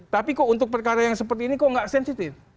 tapi kok untuk perkara yang seperti ini kok nggak sensitif